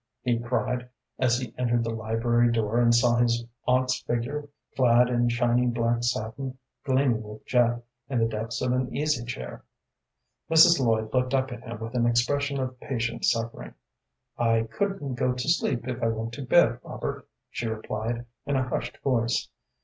he cried, as he entered the library door and saw his aunt's figure, clad in shining black satin, gleaming with jet, in the depths of an easy chair. Mrs. Lloyd looked up at him with an expression of patient suffering. "I couldn't go to sleep if I went to bed, Robert," she replied, in a hushed voice.